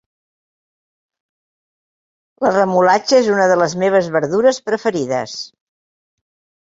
La remolatxa és una de les meves verdures preferides